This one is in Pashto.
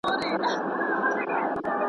پوهېږم چي زما نوم به دي له یاده وي وتلی!